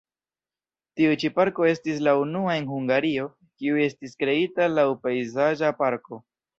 Tiu ĉi parko estis la unua en Hungario, kiu estis kreita laŭ pejzaĝa parko.